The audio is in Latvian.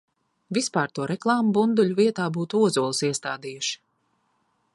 Vispār to reklāmu bunduļu vietā būtu ozolus iestādījuši.